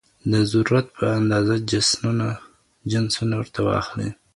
د ضرورت په اندازه جنسونه ورته واخلي